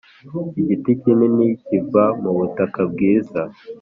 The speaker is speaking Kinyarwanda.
igiti kinini kiva mu butaka bwiza